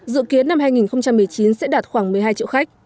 dự kiến năm hai nghìn một mươi chín sẽ đạt khoảng một mươi hai triệu khách